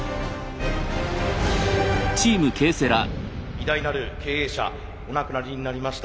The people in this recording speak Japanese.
偉大なる経営者お亡くなりになりました